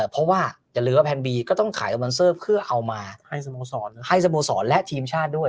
เพราะว่าอย่าลืมว่าแพนบีก็ต้องขายสปอนเซอร์เพื่อเอามาให้สโมสรให้สโมสรและทีมชาติด้วย